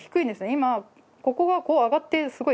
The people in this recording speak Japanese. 今ここがこう上がってすごい